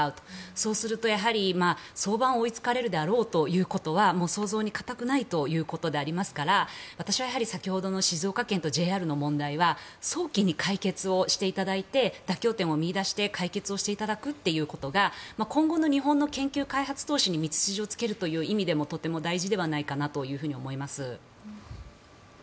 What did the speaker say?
そうすると、やはり早晩追いつかれるだろうということは想像に難くないということでありますから私は先ほどの静岡県とＪＲの問題は早期に解決していただいて妥協点を見いだして解決をしていただくということが今後の日本の研究開発投資に道筋をつけるという意味でもとても大事じゃないかなと思います。